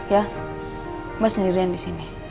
ya mbak sendirian disini